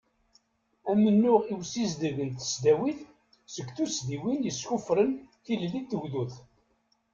Amennuɣ i usizdeg n tesdawit seg tuddsiwin yeskuffren tilelli d tugdut.